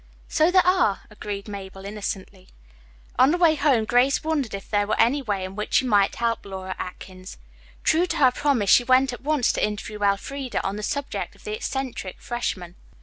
"So there are," agreed Mabel innocently. On the way home Grace wondered if there were any way in which she might help Laura Atkins. True to her promise, she went at once to interview Elfreda on the subject of the eccentric freshman.